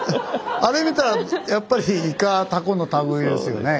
あれ見たらやっぱりイカタコのたぐいですよね。